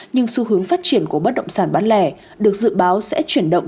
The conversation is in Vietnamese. nhưng xu hướng phát triển của bất động sản bán lẻ được dự báo sẽ chuyển động